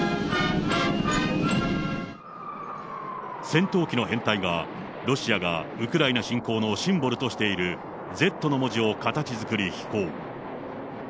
戦闘機の編隊が、ロシアがウクライナ侵攻のシンボルとしている、Ｚの文字を形作り、飛行。